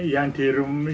yang di rumah